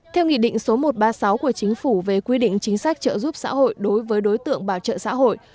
theo nghị định số một trăm ba mươi sáu của chính phủ về quy định chính sách trợ giúp xã hội đối với đối tượng bảo trợ xã hội